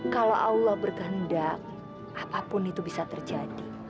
kalau allah berkehendak apapun itu bisa terjadi